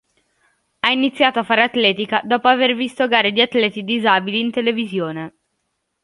Ha iniziato a fare atletica dopo aver visto gare di atleti disabili in televisione.